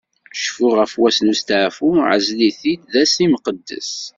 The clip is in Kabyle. Cfu ɣef wass n usteɛfu, ɛzel-it-id d ass imqeddes.